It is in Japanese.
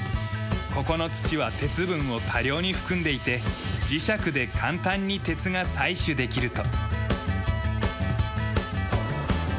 ここの土は鉄分を多量に含んでいて磁石で簡単に鉄が採取できると。